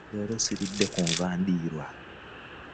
Leero ssiridde ku nva ndiirwa!